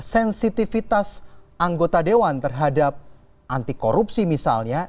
sensitivitas anggota dewan terhadap anti korupsi misalnya